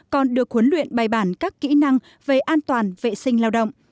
còn được huấn luyện bài bản các kỹ năng về an toàn vệ sinh lao động